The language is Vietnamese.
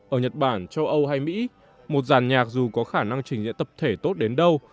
ở nhật bản châu âu hay mỹ một giàn nhạc dù có khả năng trình diễn tập thể tốt đến đâu